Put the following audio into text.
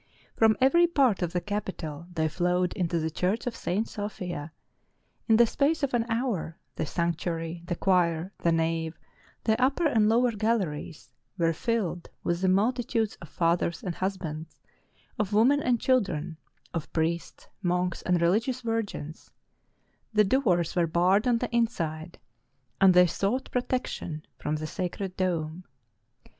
From every part of the capital they flowed into the church of St. Sophia: in the space of an hour, the sanctuary, the choir, the nave, the upper and lower galleries, were filled with the multitudes of fathers and husbands, of women and children, of priests, monks, and religious virgins: the doors were barred on the in side, and they sought protection from the sacred dome.